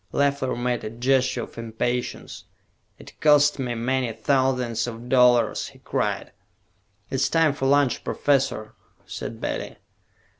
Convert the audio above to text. Leffler made a gesture of impatience. "It cost me many thousands of dollars," he cried. "It is time for lunch, Professor," said Betty.